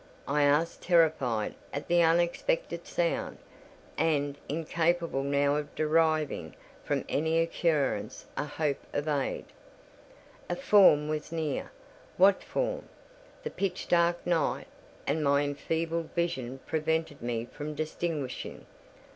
I asked, terrified at the unexpected sound, and incapable now of deriving from any occurrence a hope of aid. A form was near—what form, the pitch dark night and my enfeebled vision prevented me from distinguishing.